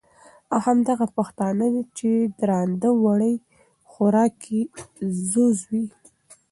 او همدغه پښتانه، چې درانده وړي خوراک یې ځوز وي،